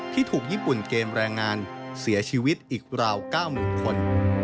ที่ถูกญี่ปุ่นเกมแรงงานเสียชีวิตอีกราว๙๐๐คน